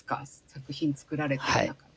作品作られてる中で。